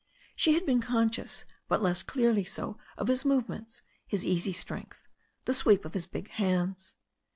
She had been con scious, but less clearly so, of his movements, his easy strength, the sweep of his big limbs.